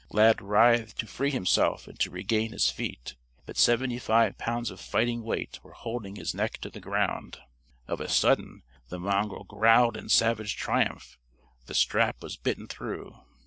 Lad writhed to free himself and to regain his feet, but seventy five pounds of fighting weight were holding his neck to the ground. Of a sudden, the mongrel growled in savage triumph. The strap was bitten through!